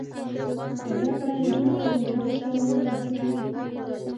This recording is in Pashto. زده کړه نجونو ته د انټرنیټ کارول ور زده کوي.